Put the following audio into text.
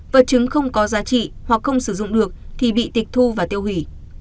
vật chứng không có giá trị hoặc không sử dụng được thì bị tịch thu và tiêu hủy